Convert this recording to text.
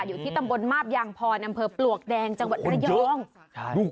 อยู่ที่ตำบลมาบยางพรอำเภอปลวกแดงจังหวัดระยอง